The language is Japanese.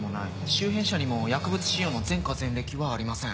周辺者にも薬物使用の前科前歴はありません。